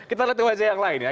kita lihat wajah yang lain ya